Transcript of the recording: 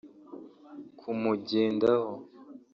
kumugendaho